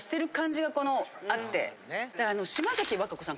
で島崎和歌子さん